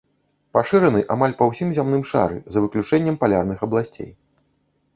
Пашыраны амаль па ўсім зямным шары за выключэннем палярных абласцей.